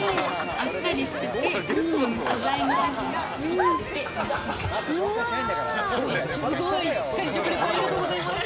あっさりしてて素材の味が生きてて美味しいです。